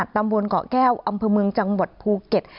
ตำบลเกาะแก้วอำเภอเมืองจังหวัดภูเก็ต